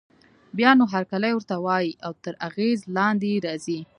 بيا نو هرکلی ورته وايي او تر اغېز لاندې يې راځي.